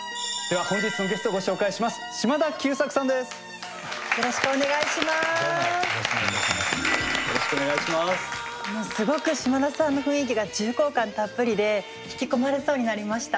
あのすごく嶋田さんの雰囲気が重厚感たっぷりで引き込まれそうになりました。